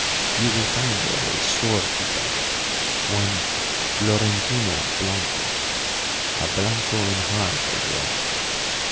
You will find there a storekeeper, one Florentino Blanco a Blanco in heart as well.